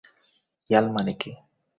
ইয়াল মানে কি?